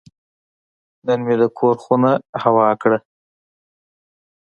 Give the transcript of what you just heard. نن مې د کور خونه هوا کړه.